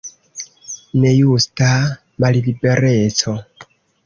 Nejusta mallibereco.